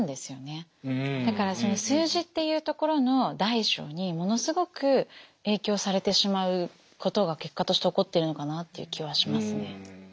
だからその数字っていうところの大小にものすごく影響されてしまうことが結果として起こってるのかなっていう気はしますね。